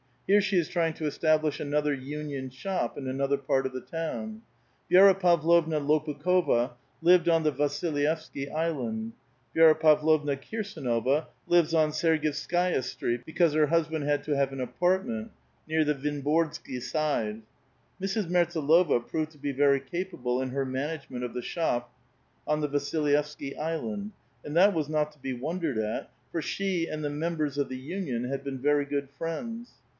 Here she is trying to establish another union shop in another part of the town. Vi^ra Pavlovna Lopukh6va lived on the Vasilyevsky Island ; Vi6ra Pavlovna Kii sdnova lives on Sy^r gievskai'a Street, because her husband had to have an apart ment near the Vinborgsk} Side. Mrs. Mertsdlova proved to be very capable in her management of the shop on the Vasil yevsky Island ; and that was not to be wondered at, for she and the members of the union had been very good friends.